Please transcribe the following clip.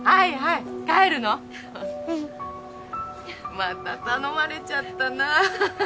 また頼まれちゃったなぁ。